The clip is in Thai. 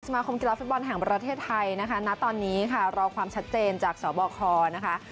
มาคมกีฬาฟุตบอลแห่งประเทศไทยนะคะณตอนนี้ค่ะรอความชัดเจนจากสบคนะคะ